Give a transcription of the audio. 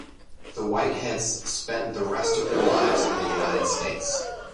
The Whiteheads spent the rest of their lives in the United States.